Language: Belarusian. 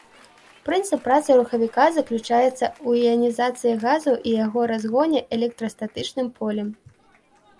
Прынцып працы рухавіка заключаецца ў іанізацыі газу і яго разгоне электрастатычным полем.